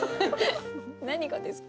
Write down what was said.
何がですか？